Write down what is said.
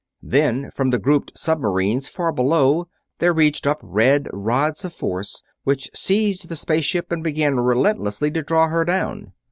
Then from the grouped submarines far below there reached up red rods of force, which seized the space ship and began relentlessly to draw her down.